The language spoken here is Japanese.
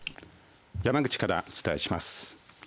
山口からお伝えします。